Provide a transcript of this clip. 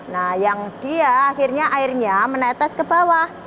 nah yang dia akhirnya airnya menetes ke bawah